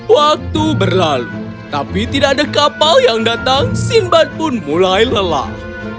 waktu berlalu tapi tidak ada kapal yang datang sinbad pun mulai lelah